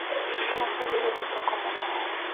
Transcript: La serie debutó como No.